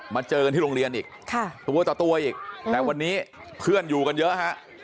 เจอกันที่โรงเรียนอีกตัวต่อตัวอีกแต่วันนี้เพื่อนอยู่กันเยอะฮะ